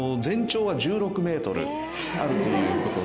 あるという事で。